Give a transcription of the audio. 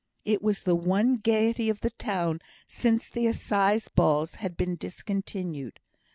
It was the one gaiety of the town since the assize balls had been discontinued.